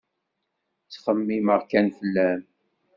Ttxemmimeɣ kan fell-am.